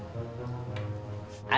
gak ada apa apa